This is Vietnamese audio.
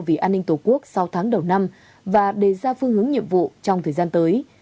vì an ninh tổ quốc sau tháng đầu năm và đề ra phương hướng nhiệm vụ trong thời gian tới